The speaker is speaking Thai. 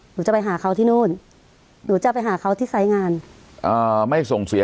หนูจะไปหาเขาที่นู่นหนูจะไปหาเขาที่ไซส์งานอ่าไม่ส่งเสีย